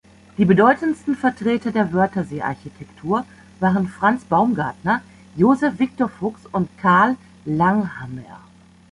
Die bedeutendsten Vertreter der Wörthersee-Architektur waren Franz Baumgartner, Josef Victor Fuchs und Carl Langhammer.